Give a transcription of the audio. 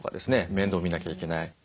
面倒を見なきゃいけない。